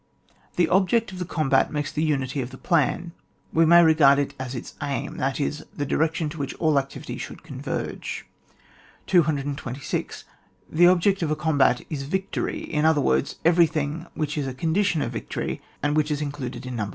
The object of the combat makes the unity of the plan : we may regard it as its aim, that is, the direction to which all activities should converge. 226. The object of a combat is victory ; in other words, everything which is a condition of victory, and which is included in No.